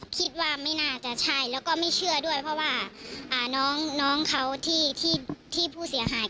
คิดว่าไม่น่าจะใช่แล้วก็ไม่เชื่อด้วยเพราะว่าน้องเขาที่ผู้เสียหาย